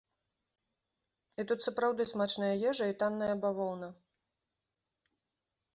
І тут сапраўды смачная ежа і танная бавоўна.